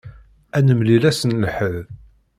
Ad nemlil ass n Lḥedd.